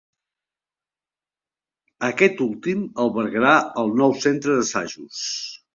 Aquest últim albergarà el nou centre d'assajos.